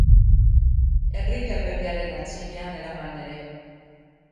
Enrike erregearen aitzinean eraman ere.